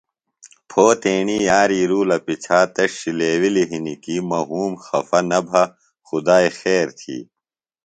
پھو تیݨی یاری رُولہ پِچھا تس ݜلیوِلیۡ ہنیۡ کیۡ مہ وُھوم خفہ نہ بھہ خدائیۡ خیر تھی